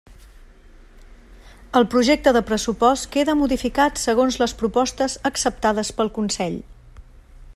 El projecte de pressupost queda modificat segons les propostes acceptades pel Consell.